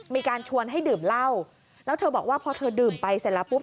มีการชวนให้ดื่มเหล้าแล้วเธอบอกว่าพอเธอดื่มไปเสร็จแล้วปุ๊บ